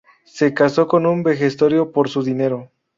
Se casó con un vejestorio por su dinero